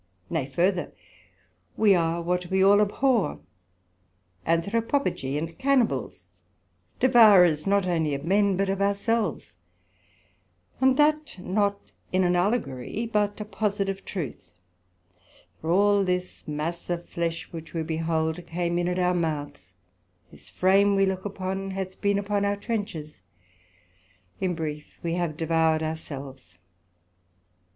Nay further, we are what we all abhor, Anthropophagi and Cannibals, devourers not onely of men, but of our selves; and that not in an allegory, but a positive truth: for all this mass of flesh which we behold, came in at our mouths; this frame we look upon, hath been upon our trenchers; in brief, we have devour'd our selves.